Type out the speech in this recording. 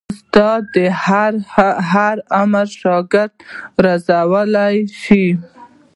استاد د هر عمر شاګرد روزلی شي.